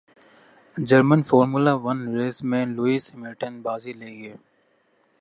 German Formula One race میں Lewis Hamilton بازی لے گئے